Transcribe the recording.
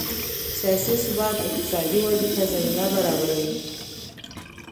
سیاسي ثبات اقتصادي ودې ته زمینه برابروي